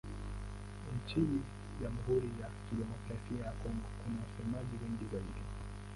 Nchini Jamhuri ya Kidemokrasia ya Kongo kuna wasemaji wengi zaidi.